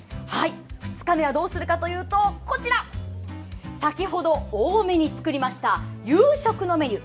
２日目はどうするかというと先程、多めに作りました夕食のメニュー